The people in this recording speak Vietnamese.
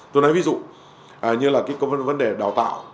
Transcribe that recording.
tôi nói ví dụ như là cái vấn đề đào tạo